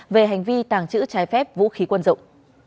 về hành vi tàng trữ trái phép vũ khí quân dụng